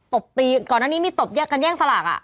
ตบตีก่อนหน้านี้มีตบกันแย่งสลากอะ